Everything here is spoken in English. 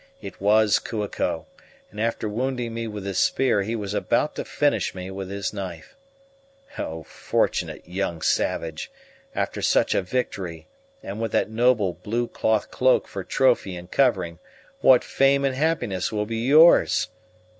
It was Kua ko, and after wounding me with his spear he was about to finish me with his knife. O fortunate young savage, after such a victory, and with that noble blue cloth cloak for trophy and covering, what fame and happiness will be yours!